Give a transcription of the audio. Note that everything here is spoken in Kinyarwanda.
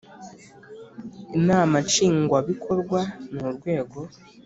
Inama Nshingwabikorwa ni urwego